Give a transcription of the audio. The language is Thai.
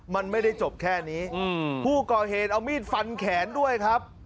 มันไม่ได้จบแค่นี้ผู้ก่อเหตุเอามีดฟันแขนด้วยครับ